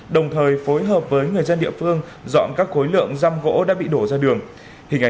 đồng thời phối hợp với người dân địa phương dọn các khối lượng răm gỗ đã bị đổ ra đường